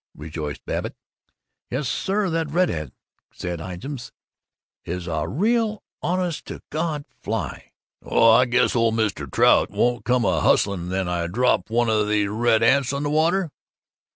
rejoiced Babbitt. "Yes, sir, that red ant," said Ijams, "is a real honest to God fly!" "Oh, I guess ole Mr. Trout won't come a hustling when I drop one of those red ants on the water!"